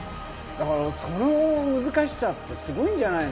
その難しさって、すごいんじゃないの？